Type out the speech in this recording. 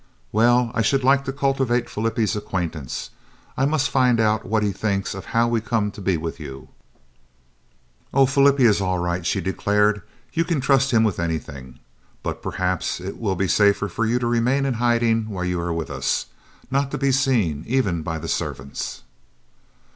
"Well, I should like to cultivate Flippie's acquaintance. I must find out what he thinks of how we come to be with you." "Oh, Flippie is all right," she declared. "You can trust him with anything. But perhaps it will be safer for you to remain in hiding while you are with us, not to be seen even by the servants."